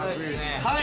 はい。